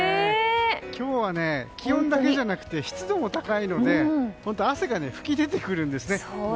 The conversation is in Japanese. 今日は気温だけじゃなくて湿度も高いので本当、汗が噴き出てくるんですね。